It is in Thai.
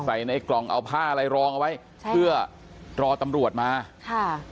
ในกล่องเอาผ้าอะไรรองเอาไว้ใช่เพื่อรอตำรวจมาค่ะ